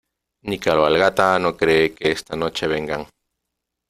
ni cabalgata no cree que esta noche vengan